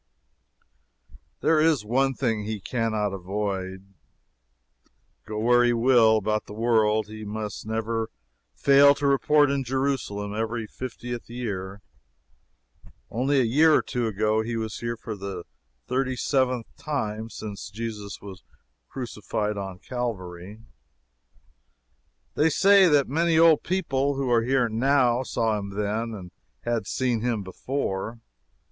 There is one thing he can not avoid; go where he will about the world, he must never fail to report in Jerusalem every fiftieth year. Only a year or two ago he was here for the thirty seventh time since Jesus was crucified on Calvary. They say that many old people, who are here now, saw him then, and had seen him before.